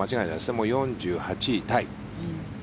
もう４８位タイ。